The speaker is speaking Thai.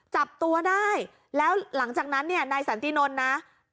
จับตัวได้แล้วหลังจากนั้นเนี่ยนายสันตินนท์นะ